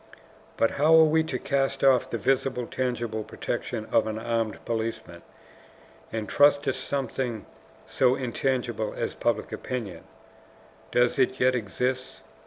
"But how are we to cast off the visible tangible protection of an armed policeman, and trust to something so intangible as public opinion? Does it yet exist?